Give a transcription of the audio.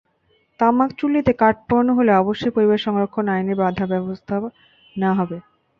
তামাক চুল্লিতে কাঠ পোড়ানো হলে অবশ্যই পরিবেশ সংরক্ষণ আইনে ব্যবস্থা নেওয়া হবে।